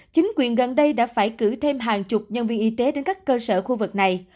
chính quyền gần đây đã phải cử thêm hàng chục nhân viên y tế đến các cơ sở khu vực này